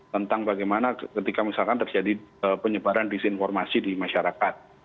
tentang bagaimana ketika misalkan terjadi penyebaran disinformasi di masyarakat